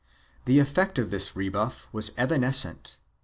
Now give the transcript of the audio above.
1 The effect of this rebuff was evanescent.